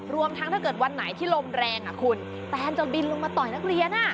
รวมทั้งถ้าเกิดวันไหนที่ลมแรงคุณแตนจะบินลงมาต่อยนักเรียน